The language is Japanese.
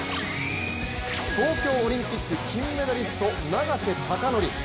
東京オリンピック、金メダリスト永瀬貴規。